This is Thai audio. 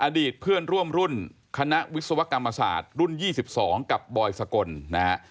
อดีตเพื่อนร่วมรุ่นคณะวิศวกรรมศาสตร์รุ่น๒๒กับบอยสกลนะฮะ